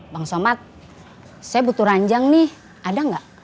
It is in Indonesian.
bang somad saya butuh ranjang nih ada nggak